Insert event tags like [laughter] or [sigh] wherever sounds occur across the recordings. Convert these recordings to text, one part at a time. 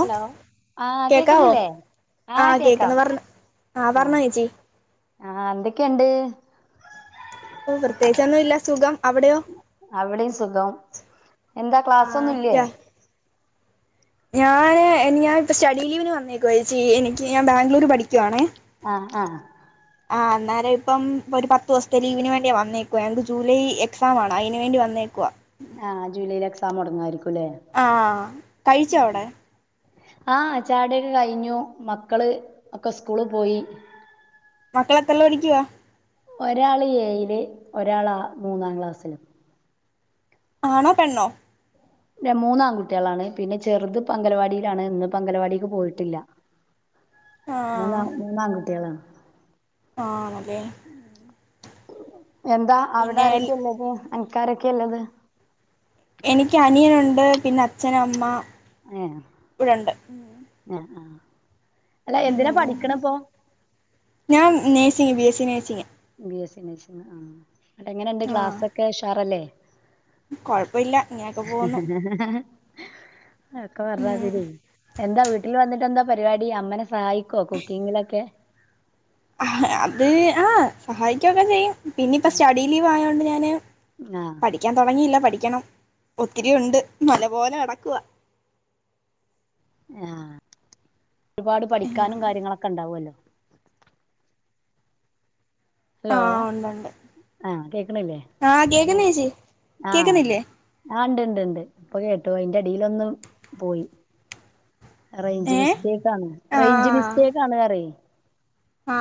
Hello ആഹ് കേക്കാവോ കേക്കുന്നില്ലേ ആഹ് കേക്ക്ന്ന് കേക്കാം പറഞ്ഞോ ആഹ് ആ പറഞ്ഞോ ചേച്ചി ആ എന്തൊക്കെയുണ്ട് ഓ പ്രത്യേകിച്ചൊന്നും ഇല്ല സുഖം അവിടെയോ അവിടെയും സുഖം എന്താ ആഹ് ക്ലാസ്സൊന്നും ഇല്ലേ റ്റ ഞൻ ഞാൻ ഇപ്പ സ്റ്റഡി ലീവിന് വന്നേക്കോ ച്ചി എനിക്ക് ഞാൻ ബാംഗ്ലൂര് പഠിക്കുവാണേ ആഹ് ഹ ആ അന്നേരം ഇപ്പം ഇപ്പരു പത്തോസ്ത്തെ ലീവിന് വേണ്ടിയാ വന്നേക്കുവ ഞങ്ങക്ക് ജൂലൈ എക്സാം ആണ് അയിന് വേണ്ടി വന്നേക്കുവാ സമൊടങ്ങായിരിക്കും ആഹ് കഴിചോ വടെ ആ ച്ചായൊടിയൊക്കെ കഴിഞ്ഞു മക്കള് ഒക്കെ സ്കൂള് പോയി മക്കളെത്രല്ടിക്കുവാ ഒരാള് ഏയില് ഒരാളാ മൂന്നാം ക്ലാസ്സിലും ആണോ പെണ്ണോ ര മൂന്ന് ആൺകുട്ടിളാണ് പിന്നെ ചെറുത് പംഗലവാടിയിലാണ് ഇന്ന് പംഗലവാടിക്ക് പോയിട്ടില്ല മൂന്നാം മൂന്നാം കുട്ട്യാളാണ് ആഹ് അതെ എന്താ അവിടെ ആരൊക്കെള്ളത് അൻക്കാരൊക്കെല്ലത് എനിക്ക് അനിയനുണ്ട് പിന്നെ അച്ഛനമ്മ ഏ എ ആഹ് അല്ല എന്തിനാ പഠിക്കണ ഇപ്പൊ ഞാൻ nursing B S C nursing B S ഇ നഴ്സിംഗ് ആ അ് എങ്ങന ഉണ്ട് ക്ലാസ്ഒക്കെ ഉഷാറല്ലേ കൊഴപ്പില്ല ഇങ്ങനൊക്കെ പോകുന്നു ഒക്കെ ഉം വരാതിരി എന്താ വീട്ടിൽ വന്നിട്ട് എന്താ പരിപാടി അമ്മനെ സ സഹായിക്കുവോ കുക്കിങ്ങിലൊക്കെ ആ അത് ആ സഹായിക്കൊക്കെ ചെയ്യും പിന്നെ ഇപ്പ സ്റ്റഡീ ലീവ് ആയൊണ്ട് ഞൻ പി ആ [inaudible] പഠിക്കാൻ തുടങ്ങിയില്ല പഠി ക്കണം ഒത്തിരി ഉണ്ട് മല പോലെ കിടക്കുവാ ആ ഒരുപാട് പഠിക്കാനും കാര്യങ്ങളൊക്കെ ഉണ്ടാവുമല്ലോ ഹലോ ആഹ് ഉണ്ടുണ്ട് ആഹ കേക്കണില്ലേ ആഹ് ഞന് കേക്കുന്ന് ചേച്ചി ആഹ കേക്കുന്നില്ലേ ആ ഉണ്ട്ണ്ട് ണ്ട് ഇപ്പൊ കേട്ടു അയിന്റെ അടിലൊന്നും പോയി റേഞ്ച് ഏഹ് മിസ്റ്റേക്ക് ആണ് റേഞ്ച് മിസ്റ്റേക്ക് ആണ് കറ ആ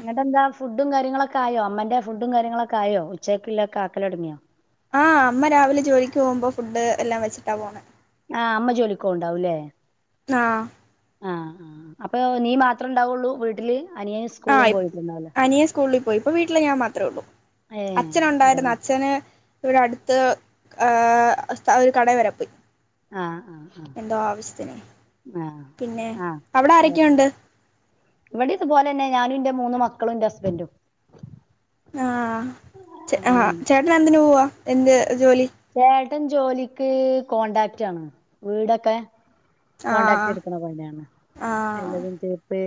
ഇങ്ങട്ട് എന്താ ഫുഡും കാര്യങ്ങളൊക്കെ ആയോ അമ്മന്റെ ഫുഡും കാര്യങ്ങളൊക്കെ ആയോ ഉച്ചക്കുള്ളൊ ഒക്കെ ആക്കല് തുടങ്ങിയോ ആഹ് അമ്മ രാവിലെ ജോലിക്ക് പോകുമ്പോൾ ഫുഡ് എല്ലാം വെച്ചിട്ടാ പോണ ആഹ് അമ്മ ജോലിക്കൊ ഉവുണ്ടാവൂല്ലേ ന്നാ ആഹ ആ അപ്പൊ നീ മാത്രമേ ഉണ്ടാവുള്ളൂ വീട്ടില് അനിയൻ ആ സ്കൂളും പോയിട്ടുണ്ടാവല്ലോ അനിയെ സ്കൂളിൽ പോയി ഇപ്പൊ വീട്ടില് ഞാൻ മാത്രേ ഉള്ളൂ ഏഹ് അച്ഛന് അതെ ഉണ്ടായിരുന്നു അച്ഛന് ഇവിടെ അടുത്ത് ആ ഒരു കട വരെ പോയി ആഹ് ആഹ് എന്തോ ആവശ്യത്തിനെ ആഹ് പിന്നെ ആഹ് ആഹ് അവിടെ അതെ ആരൊക്കെയുണ്ട് ഇവിടെ ഇതുപോലെ തന്നെ ഞാനും ഇന്റെ മൂന്ന് മക്കളും എന്റെ ഹസ്ബൻറും ആഹ ആഹ അങ്ങനെന്നെ ചേട്ടന് എന്തിന് പോവാ എന്ത് ജോലി ഏട്ടൻ ജോലിക്ക് കോണ്ടാക്ട് ആണ് വീടൊക്കെ കോടാക്ട് ആഹ് എടുക്കണ പണിയാണ് ആഹ് എല്ലതും തേപ്പ്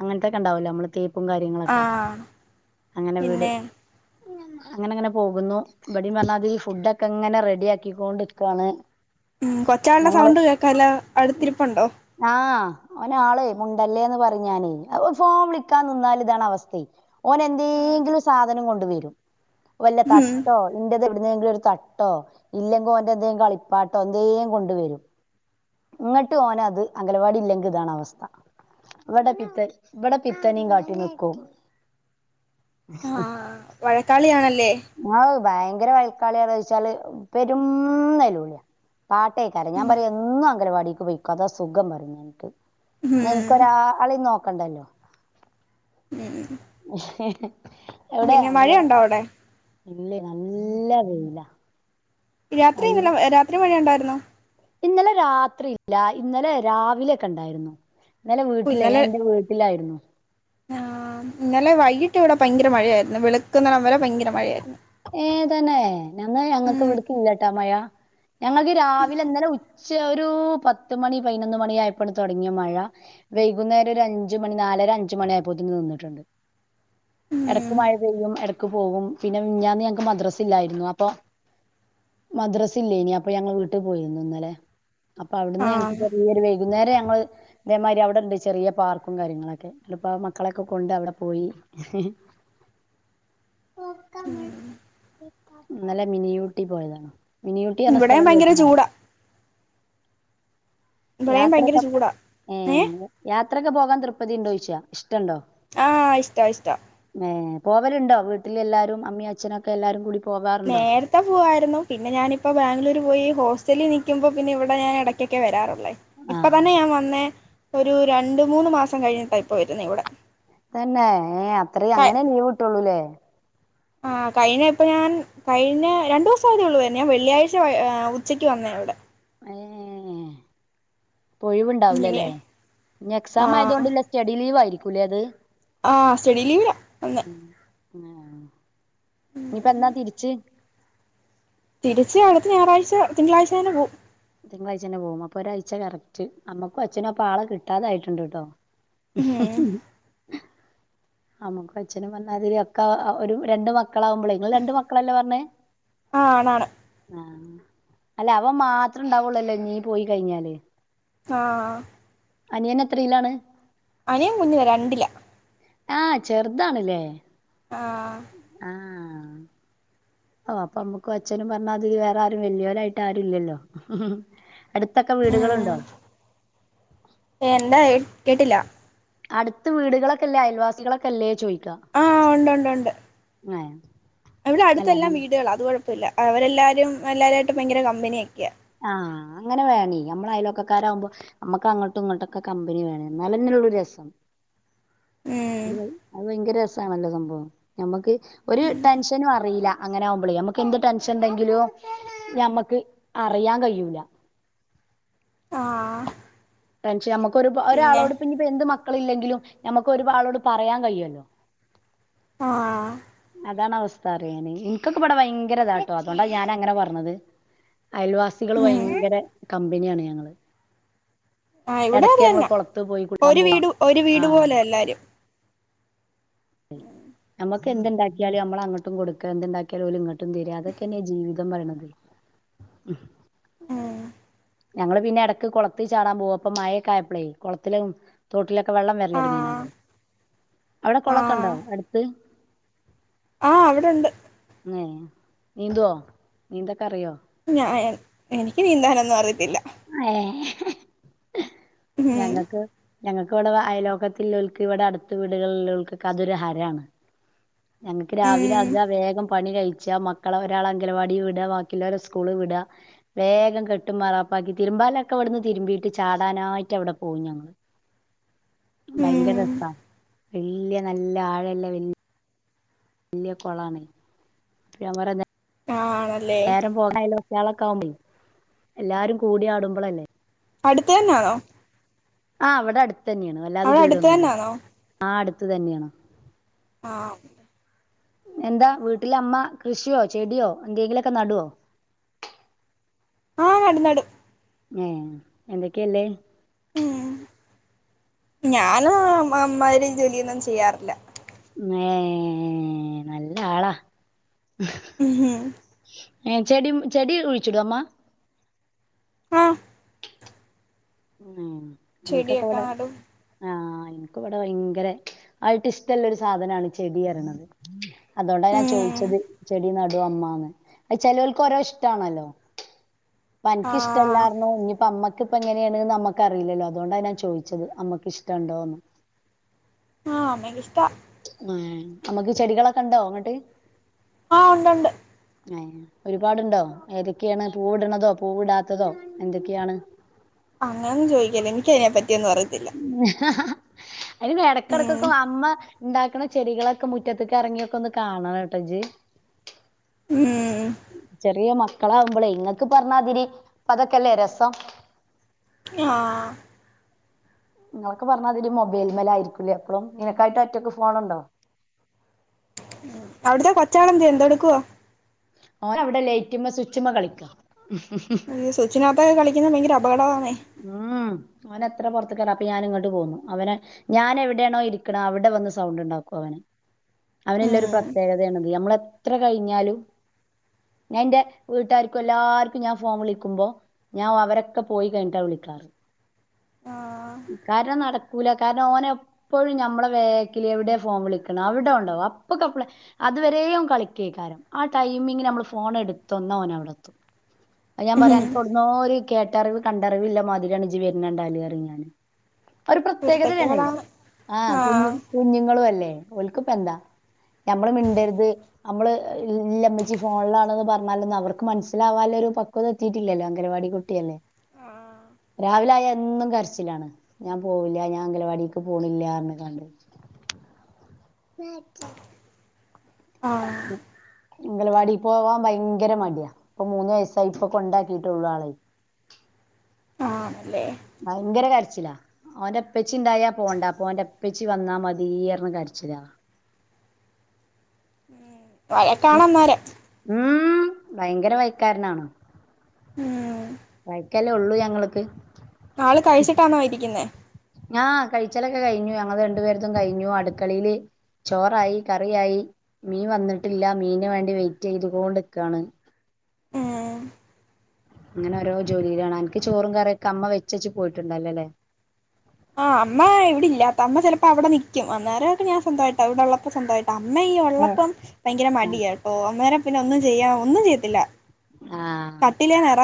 അങ്ങനത്തെ ഉണ്ടാവലോ നമ്മള് തേപ്പ് ആ വീട് പിന്നെ അങ്ങനെ അങ്ങനെ പോകുന്നു ഇവിടേം പറഞ്ഞമാതിരി ഈ ഫുഡൊക്കെ ഇങ്ങനെ റെഡി ആക്കി കൊണ്ടു നിക്കുവാണ് ഉം കൊച്ചാളുടെ സൗണ്ട് കേക്കലോ അടുത്തിരിപ്പുണ്ടോ അവന് ആളെ മുണ്ടല്ലേന്ന് പറഞ്ഞെ ഞാനേ ഫോൺ വിളിക്കാൻ നിന്നാൽ ഇതാണ് അവസ്ഥയെ ഓനെ എന്തെങ്കിലും കൊണ്ട് വരും വല്ല ഉം തട്ടോ നിന്റത് എടു- എന്തെങ്കിലും ഒരു തട്ടോ ഇല്ലങ്കി ഓൻറെ എന്തെിലും കളിപ്പാട്ടോ എന്തേനും കൊണ്ട് വരും ഇങ്ങോട്ട് ഓന് അത് അംഗനവാടി ഇല്ലെങ്കിൽ ഇതാണ് അവസ്ഥ ഇവിടെ പിത്ത ഇവിടെ പിത്തനെയും കാട്ടി നിക്കും ആഹ് വഴക്കാളിയാണല്ലേ ആഹ് ഭയങ്കര വയക്കാലിളിയാണോന്ന് ചോദിച്ചാല് എപ്പരും നെലവിളിയാ പാട്ടേ കേക്കലോ ഞാൻ പറയും എന്നും അംഗനവാടി ക്ക് പൊയ്ക്കാ അതാ സുഖം പറഞ്ഞു എനിക്ക് ഉം ന്നാൻക്കൊരാളീം നോക് ക്കണ്ടല്ലോ പിന്നെ മഴയുണ്ടോ അവടെ ഇല്ല്യേ നല്ല വെയ്ലാ രാത്രി എങ്ങനെ ഏ രാത്രി മയണ്ടായിര് ന്നോ ഇന്നലെ രാത്രി ഇല്ല ഇന്നലെ രാവിലൊക്കെണ്ടായിര്ന്നു. ഇന്നലെ ഓഹ് വീട്ടിലേ ഇന്നലെ ഞാന്റെ വീട്ടിലായിര്ന്നു. ആഹ് ഇന്നലെ വൈകിട്ട് ഇവടെ ഭയങ്കര മഴയായിര്ന്നു വെള് ക്ക്ന്നടംവരെ ഭയങ്കര മഴയായിര്ന്നു. ഏ തന്നേ. ഞാന്നാ ഞങ്ങക്ക് വ്ട്ക്കില്ലാട്ട ആ മയ. ഞങ്ങൾക്ക് രാവിലെ ഇന്നലെ ഉച്ച ഒരു പത്ത്മണി പൈനൊന്ന് മണി ആയപ്പണ് തൊടങ്യേ മഴ വൈകുന്നേരം ഒരു അഞ്ച് മണി നാലര അഞ്ചുമണി ആയപ്പോത്തിന് നിന്നിട്ട്ണ്ട്. എടക്ക് ഉം മഴ പെയ്യും എടക്ക് പോവും. പിന്നെ മിഞ്ഞാന്ന് ഞങ്ങക്ക് മദ്രസ്സില്ലായിരുന്നു. അപ്പൊ മദ്രസ ഇല്ലേയ്നീ അപ്പൊ ഞങ്ങള് വീട്ട് പോയിര്ന്നു ഇന്നലെ. അപ്പൊ അവിട്ന്ന് ഞങ്ങക്ക് ആഹ് ചെറിയോര് വെയ് വൈകുന്നേരം ഞങ്ങള് ഇതേമായ്രി അവടെണ്ട് ചെറീയ പാർക്കും കാര്യങ്ങളൊക്കെ അ [unintelligible] പ്പോ മക്കളൊക്കെ കൊണ്ട് അവടെ പോയി. ഇന്നലെ മിനിയൂട്ടി പോയതാണ്. മിനിയൂട്ടി പറ്ഞ്ഞ ഇവിടെയും സ്ഥലം ഭയങ്കര കേട്ട്ണോ? ചൂടാ ഇവിടെയും ഭയങ്കര യാത്രക്കപ് ചൂടാ ഏഹ് യാത്രക്കെ പോകാം തൃപ് പ്പതിണ്ടോയ്ച്ച ഇഷ്ട്ടണ്ടോ ആഹ് ഇഷ്ട്ട ഇഷ്ട്ട ഏ പോവല്ണ്ടോ വീട്ടിലെല്ലാരും അമ്മേം അച്ഛനൊക്കെ എല്ലാരുങ്കൂടി. നേരത്തെ പോവായിര്ന്നു. പിന്നെ ഞാനിപ്പോ ബാംഗ്ലൂര് പോയി ഹോസ് റ്റലിൽനിക്കുമ്പോ പിന്നെ ഇവിടെ ഞാൻ എടയ്കൊക്കെ വരാറ് ല്ലെ ഇപ്പ തന്നെ ഞാൻ വന്നേ ഒരു രണ്ട് മൂന്ന് മാസം കഴിഞ്ഞിട്ടാ ഇപ്പ വരുന്നേ ഇവിടെ തന്നേ ഏഹ് അത്രേം ക അങ്ങനെ ലീവ്ട്ടൊള്ളുലേ? ആഹ് കഴിഞ്ഞ ഇപ്പ ഞാൻ കഴിഞ്ഞ രണ്ടുസം ആയതേ ഒള്ളു [unintelligible] ഞാൻ വെള്ളിയാഴ്ച വൈ ഉച്ചക്ക് വന്നേ ഇവടെ ഏഹ് പ്പൊ ഇങ്ങനെ ഒഴിവ്ണ്ടാവൂലലേ ഇഞെക്സാം ആഹ് ആയതോണ്ട്ല്ലെ സ്റ്റഡി ലീവ് ആയിരി ക്കുലേത് ആഹ് സ്റ്റഡി ലീവിനാ വന്ന് ഏഹ് ഇഞ്ഞ് പ്പെന്നാ തിരിച്ച് തിരിച്ച് അടുത്ത ഞായറാഴ്ച തിങ്കളാഴ്ച തന്നെ പോവും തിങ്കളാഴ്ചന്നെ പോവും. അപ്പോ ഒരാഴ്ച കറക്റ്റ്. അമ്മക്കും അച്ഛനും അപ്പൊ ആളെ കിട്ടാതായിട്ട്ണ്ട്ട്ടോ [inaudible] ഉം അമുക്ക് അച്ഛനും പറ്ന്നാതിരി ഒക്കെ ഒരു രണ്ട് മക്കളാവുമ്പളേ ഇങ്ങൾ രണ്ട് മക്കളെല്ലേ പറ്ഞ്ഞേ ആഹ് ആണ് ആണ് അല്ലെ അവം മാത് അത്ര ഇണ്ടാവൊള്ളൊല്ലെ നീ പോയി കഴിഞ്ഞാല് ആഹ് അനിയൻ എത്രീലാണ് അനിയൻ കുഞ്ഞുവരാ രണ്ടിലാ ആഹ് ചെറുതാണ്ല്ലേ ആഹ് അഹ് അപ്പൊ അമ്മക്കും അച്ഛനും പറഞ്ഞാതിരി വേറെആരും വെല്യോരായിട്ട് ആരു ഇല്ലല്ലോ അടുത്തൊക്കെ വീടുകളുണ്ടോ ക്കേട്ടില്ല അടുത്ത് വീടുകളൊക്കെല്ലേ അയൽവാസികളൊക്കെല്ലേ ചോയ്ക ആഹ് ഉണ്ട് ഉണ്ട് ഉണ്ട് ങ്ങേ ഇവിടെ അടുത്തെല്ലാം വീടുകളാ അത്കൊഴ തുല്ലാ അവരെല്ലാരും എല്ലാരേ ഭയങ്കര കമ്പിയൊക്കെയാ ആഹ് അങ്ങനെ വേണേയ് നമ്മള അയൽവക്കക്കാരാവുമ്പോ നമ്മക്കങ്ങട്ടും ഇങ്ങട്ടൊക്കെ കമ്പനി വേണ എന്നാലെന്നെള്ളൊരു രസം ഉം അത് അത് ഭയങ്കര രസാണല്ലൊ സംഭവം നമ്മക്ക് ഒര് ടെൻഷനും അറീല അങ്ങനെ ആകുമ്പളെയ് നമ്മക്ക് എന്ത് ടെൻഷൻണ്ടെങ്കിലും ഞമ്മക്ക് അറിയാൻ കയ്യൂല ആഹ് ടെൻഷൻ നമ്മക്ക് ക്കൊരുപാ പിന്നെ ഒരാളോട്പ്പഞ്ഞിപ്പൊ എന്ത് മക്ക മക്കളില്ലെങ്കിലും നമ്മക്ക് ഒരുപാളോട് പറയാൻ കഴിയുല്ലോ ആഹ് അതാണ് അവസ്ഥ അറിയാമേ എനിക്കൊക്കെ ഇവിടെ ഭയങ്കര ഇതാട്ടോ അതോണ്ടാ ഞാൻ അങ്ങനെ പറഞ്ഞത് അയൽവാസികള് ഉം ഭയങ്കര കമ്പനിയാണ് ഞങ്ങള് ആഹ് ഇവിടെ എടക്ക് ഞങ്ങള് അതന്നാ കൊളത്ത് പോയി കുളിക്കാൻ ഒരു പോകും വീട് ഒരു വീടു പോലെ എല്ലാരും എ നമ്മക്ക് ക്കെന്തുണ്ടാക്കിയാലും നമ്മള അങ്ങട്ടും കൊടുക്കാ എന്തുണ്ടാക്കിയാലും ഓലും ഇങ്ങട്ടും തെരാ അതൊക്കെന്നെ ജീവിതംന്ന് പറയണത് ഹും ഉം ഞങ്ങള് പിന്നെ എടക്ക് കൊളത്തി ചാടാൻ പോകും അപ്പ മഴൊക്കായപ്പളേ കുളത്തിലും തോട്ടിലൊ ക്കെ വെള്ളം ആഹ് വെര്ലൊടങ്ങീണല്ലോ അവിടെ കുളക്കണ്ടോ അടുത്ത് [inaudible] ആ അവിടെണ്ട് മ്മ് നീന്തോ നീന്തൊക്കെ അറിയോ ഞാ എൻ എനിക്ക് നീന്താനൊന്നും അറിയത്തില്ല ഏ ഉം ഞങ്ങക്ക് ഞങ്ങക്ക്വടെ വെ അയലോകത്തില്ലോൽക്ക് ഇവിടെ അടുത്ത വീടുകളില്ലോൽക്ക്തൊരു ഹരാണ് ഞങ്ങക്ക് രാവിലെ ഉം അജാ വേഗം പണി കഴിച്ച മക്കളെ ഒരാൾ അങ്കലവാടി വിടാ ബാക്കിയുള്ളോരെ സ്കൂള് വിടാ വേഗം കെട്ടും മാറാപ്പും ബാക്കി തിരുമ്പാലൊക്കെ വിടുന്ന് തിരുമ്പീട്ട് ചാടാനായിട്ട് അവിടെ പോവും ഞങ്ങള് ഭയങ്കര ഉം രസാ വല്യ നല്ല ആഴല്ല വല് വല്ല്യ കൊളാണ് അപ്പ ഞാപറ നെ ആ വേറെ ഫോണായലോ കുട്ട്യാളൊക്കെ ആകുമ്പെ എല്ലാരും കൂടിയാടുമ്പളല്ലേ അടുത്ത് തന്നാണോ ആ അവടെട് തന്നെയാണ് വല്ലാതെ അവിടെ അടുത്ത് ദൂരൊന്നില്ല തന്നാണോ ആടു അട്ത് തന്നെണ് ആഹ് എന്താ വീട്ടില് അമ്മ കൃഷിയോ ചെടിയോ എന്തെങ്കിലൊക്കെ നടുവോ ആഹ നടും നടും ഏ എന്തൊക്കെയല്ലേ ഉം ഞാനും അമ്മാതിരിജോലിയൊന്നും ചെയ്യാറില്ല ഏ നല്ല ആളാ ഉംഹും ഏ ചെടി ചെടി കുഴിച്ചിടോമ്മ ആഹ് ഉം ചെടിയൊക്കെ ഇൻക്കക്കെവിടെ നടും ആഹ് എനിക്ക ഇവിടെ ഭയങ്കര ആയിട്ട് ഇഷ്ടമുള്ളരു സാധനാണ് ചെടി ഇറണത് അതോണ്ടാ ഞാൻ ഉം ചോയ്ച്ചത് ചെടി നടു അമ്മാന്ന് അ ചെിലവൾക്ക് ഓരോ ഇഷ്ടമാണല്ലോ [unintelligible] പ്പ അൻക്ക് ആഹ് ഇഷ്ടല്ലാർന്നു ഇനിപ്പോ അമ്മയ്- പ്പഞ്ഞ് അങ്ങനെണ് നമ്മക്ക അറിയില്ലല്ലോ അതോണ്ടാണ് ഞാൻ ചോദിച്ചത് അമ്മക്ക് ഇഷ്ടണ്ടോന്ന് ആഹ അമ്മയ്ക്ക് ഇഷ്ടാ ആ ഏ അമ്മക്ക് ചെടികളൊക്കെണ്ടോങ്ങട്ട് ആഹ ഉണ്ടുണ്ട് ഏ ഒരുപാടുണ്ടോ ഏതൊക്കെയാണ് പൂവ്ട്ണതോ പൂവ്ടാത്തതോ എന്തൊക്കെയാണ് ആ അങ്ങനെ ചോയ്ക്കല്ലേ എനിക്കയ്നെ പറ്റി റ്റൊന്നും അറിയത്തില്ല അയിന് ഉം എടക്കെടക്കൊക്കെ അമ്മ ഉണ്ടാക്കണ ചെടികളൊക്കെ മുറ്റത്തക്ക് ഇറങ്ങിയൊക്കെ ഒന്ന് കാണണം ട്ടോജ് മ്മ് ചെറിയ മക്കളാവുമ്പളെ ങ്ങക്ക് പറഞ്ഞാതിരി പ്പ അതൊക്കല്ലേ രസം ആഹ് ങ്ങൾക്ക് പറഞ്ഞാതിരി മൊബൈൽമലായിരിക്കൂലേ എപ്പളും നിനക്കായിട്ട് ഒറ്റക്ക് ഫോണുണ്ടോ അവിട്ത്തെ കൊച്ചാളെന്ത്യേ എന്തെടുക്കുവാ ഓനവടെ ലേറ്റ്മ്മെ സ്വിച്ച്മ്മെ കളിക്ക ഏ സ്വിച്ച്നാത്തൊക്കെ കളിക്ക്ണെ ഭയങ്കര അബ ബടാന്നെ അവനെത്ര പൊർത്ത് വെര്ണ് അപ്പൊ ഞാന് ങ്ങോട്ട് പോന്നു അവന് ഞാൻ എവിടെണോ ഇരിക്കണത് അവടെ വന്ന് സൗണ്ട് ണ്ടാക്കും അവൻ അവന് ല്ല ഒരു ഉം പ്രത്യേകതയെണത് നമ്മളെ ത്ര എത്ര കഴിഞ്ഞാലും ഞാൻ എന്റെ വീട്ടുകാർക്കും എല്ലാർക്കും ഞാൻ ഫോം വിളിക്കുമ്പോ ഞാൻ അവരൊക്കെ പോയി കഴിഞ്ഞിട്ടാ വിളിക്കാറ് ആഹ് കാരണം നടക്കൂല കാരണം ഓന് എപ്പോഴും ഞമ്മള വേക്കിൽ എവിടെയ ഫോൺ വിളിക്കണ് അവിടെ ഉണ്ടാവും അപ്പൊക്കെപ്പളെ അതവ രെയും കളിക്കേ കാരം ആ ടൈമിംഗ നമ്മള് ഫോൺ എടുത്തന്ന ഓന അവിടെത്തും ഞാൻ പറയാ ഉം എനിക്കോട ന്നോ ഒരു റിവ് കണ്ടറിവില്ലാ മാതിരിയാണ്ജി വരണണ്ടാല പരിമം ഞാൻ ഒരു പ്രത്യേകതന്നെണ് കുരുത്തക്കേടാണ് ആഹ കുഞ്ഞു ആഹ് കുഞ്ഞുങ്ങളും അല്ലേ ഒക്കപ്പ എന്താ നമ്മള് മിണ്ടരുത് നമ്മള് ഇല്ലമ്മിച്ച് ഫോണിലാണോന്ന് പറഞ്ഞാലൊന്നും അവർക്ക് മനസിലാവല്ല ഒരു പക്വത എത്തിട്ടില്ലല്ലോ അംഗനവാടി കുട്ടിയല്ലേ ആഹ് രാവിലെ ആയാൽ എന്നും കരച്ചിലാണ് ഞാൻ പോവില്ല ഞാൻ അംഗലവാടിക്ക് പോണില്ലന്ന്കാണ്ട് [unintelligible] ആഹ അംഗലവാടി പോവാൻ ഭയങ്കര മടിയാ ഇപ്പൊ മൂന്ന് വയസായി ഇപ്പൊ കൊണ്ടാക്കീട്ടള്ളു ആളേ ആണല്ലേ ഭയങ്കര കരിച്ചില്ലാ ഓന്റെ പ്പച്ചി ഇണ്ടായാ പോണ്ട അപ്പൊ ഓന്റെ പ്പച്ചി വന്നാ മതിന്ന് പറഞ്ഞത് കാണ്ട് കരിച്ചില്ലാ വയക്കണന്നേരം ഉം ഭയങ്കര വഴക്കാരനാണോ ഉം വഴക്കല്ലേ ഉള്ളു ഞങ്ങൾക്ക് ആള് കഴിച്ചിട്ടാന്നോ ഇരിക്കുന്നേ ആ് കഴിച്ചലൊക്കെ കഴിഞ്ഞു ഞങ്ങൾ രണ്ടു പേരത്തും കഴിഞ്ഞു അടുക്കളയില് ചോറായി കറിയായി മീൻ വന്നിട്ടില്ല മീന് വേണ്ടി വെയിറ്റ് ചെയ്തോണ്ടിക്കാണ് ഉം അങ്ങനെ ഓരോ ജോലിയിലാണ് നിക്ക് ചോറും കറിയൊക്കെ അമ്മ വെച്ചച്ച് പോയിട്ടുണ്ടല്ലോല്ലേ ആഹ് അമ്മ ഇവിടില്ലത്ത അമ്മ ചപ്പോ അവിടെ നിക്കും അന്നേരൊക്കെ ഞാൻ സ്വന്തമായിട്ട് അവിടെ ഉള്ളപ്പോ സ്വന്തമായിട്ട് അമ്മ ഈ ആഹ് ഉള്ളപ്പോ ഭയങ്കര മടിയാണ് ട്ടോ അന്നേരെ പിന്നെ ഒന്നും ചെയ്യാം ഒന്നും ചെയ്യത്തില്ല ആഹ കട്ടിലേന്ന് ഇറ